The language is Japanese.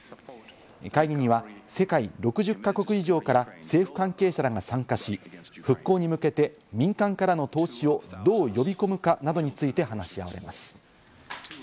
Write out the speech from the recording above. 会議には世界６０か国以上から政府関係者らが参加し、復興に向けて民間からの投資をどう呼び込むかなどについて話し合われます。